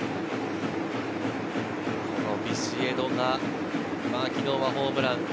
ビシエドが昨日はホームラン。